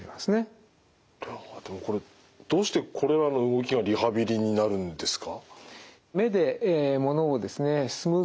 でもこれどうしてこれらの動きがリハビリになるんですか？